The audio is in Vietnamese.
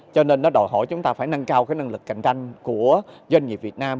cho nên nó đòi hỏi chúng ta phải nâng cao cái năng lực cạnh tranh của doanh nghiệp việt nam